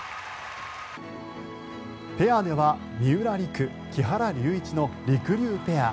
ペアでは三浦璃来・木原龍一のりくりゅうペア。